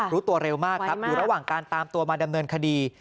รู้ตัวเร็วมากครับอยู่ระหว่างการตามตัวมาดำเนินคดี